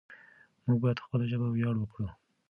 موږ بايد په خپله ژبه وياړ وکړو.